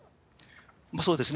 そうですね。